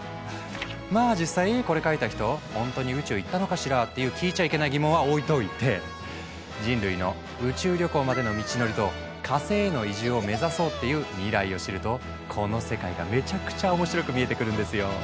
まあ実際これ書いた人ほんとに宇宙行ったのかしら？っていう聞いちゃいけない疑問は置いといて人類の宇宙旅行までの道のりと火星への移住を目指そうっていう未来を知るとこの世界がめちゃくちゃ面白く見えてくるんですよ。